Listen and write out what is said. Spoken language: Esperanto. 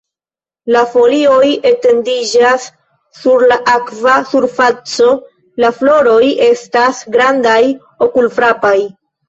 La folioj etendiĝas sur la akva surfaco, la floroj estas grandaj, okulfrapaj.